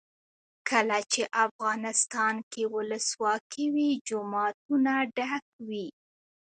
کله چې افغانستان کې ولسواکي وي جوماتونه ډک وي.